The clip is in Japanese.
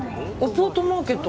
ポートマーケット